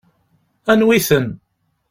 Anwi-ten?